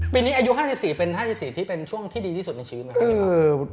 ปีนี้อายุ๕๔เป็นช่วงที่ดีที่สุดในชีวิตไหมครับ